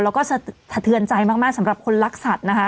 แล้วก็สะเทือนใจมากสำหรับคนรักสัตว์นะคะ